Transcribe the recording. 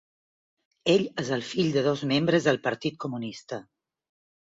Ell és el fill de dos membres del Partit comunista.